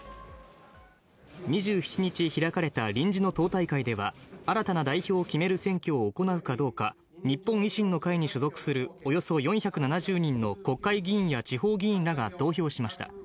２７日開かれた臨時の党大会では新たな代表を決める選挙を行うかどうか日本維新の会に所属するおよそ４７０人の国会議員や地方議員らが投票しました。